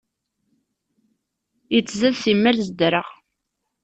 Yettzad simmal zeddreɣ.